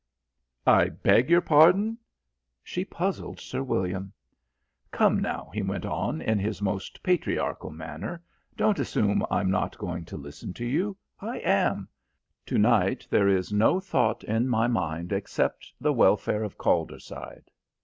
"I beg your pardon?" She puzzled Sir William. "Come now," he went on in his most patriarchal manner, "don't assume I'm not going to listen to you. I am. To night there is no thought in my mind except the welfare of Calderside."